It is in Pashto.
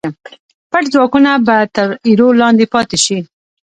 پټ ځواکونه به تر ایرو لاندې پاتې شي.